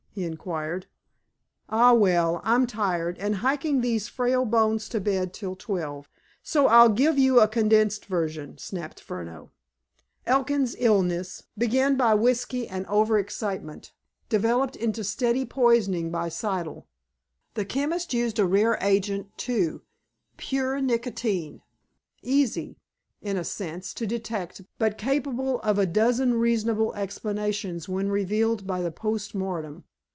he inquired. "Ah, well, I'm tired, and hiking these frail bones to bed till twelve, so I'll give you a condensed version," snapped Furneaux. "Elkin's illness, begun by whiskey and over excitement, developed into steady poisoning by Siddle. The chemist used a rare agent, too—pure nicotine—easy, in a sense, to detect, but capable of a dozen reasonable explanations when revealed by the post mortem.